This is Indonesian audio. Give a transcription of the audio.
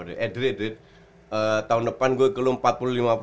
eh dred dred tahun depan gue ke lu empat puluh lima juta